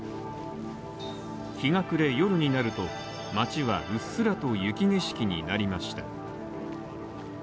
日が暮れ、夜になると、街はうっすらと雪景色になりました。